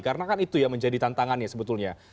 karena kan itu yang menjadi tantangannya sebetulnya